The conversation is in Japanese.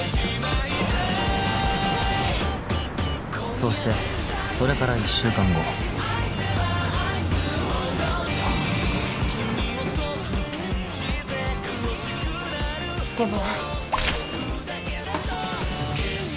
そしてそれから１週間後でも。